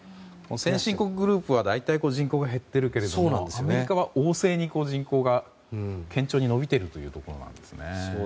先進国グループは大体人口が減っているけれどもアメリカは旺盛に、人口が堅調に伸びているということですね。